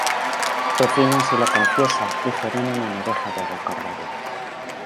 Rufino así lo confiesa y Jerónimo no deja de recordarlo.